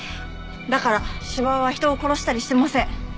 だから斯波は人を殺したりしてません。